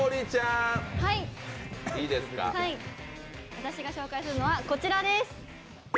私が紹介するのはこちらです。